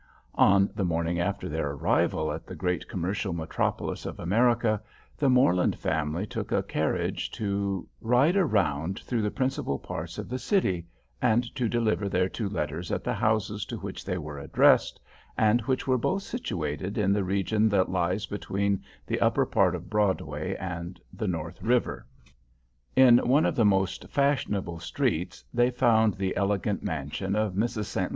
On the morning after their arrival at the great commercial metropolis of America, the Morland family took a carriage to ride round through the principal parts of the city, and to deliver their two letters at the houses to which they were addressed, and which were both situated in the region that lies between the upper part of Broadway and the North River. In one of the most fashionable streets they found the elegant mansion of Mrs. St.